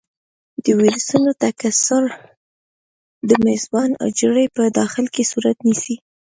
د ویروسونو تکثر د میزبان حجرې په داخل کې صورت نیسي.